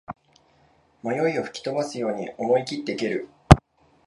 迷いを吹き飛ばすように思いきって蹴る